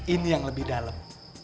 ini yang lebih dalem